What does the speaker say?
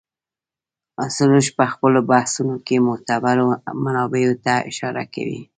سروش په خپلو بحثونو کې معتبرو منابعو ته اشاره کوي.